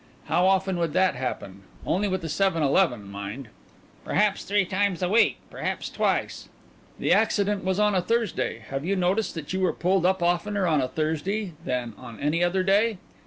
How often would that happen only with the seven eleven, mind." "Perhaps three times a week; perhaps twice." "The accident was on a Thursday. Have you noticed that you were pulled up oftener on a Thursday than on any other day?"